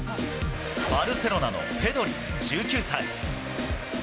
バルセロナのペドリ１９歳。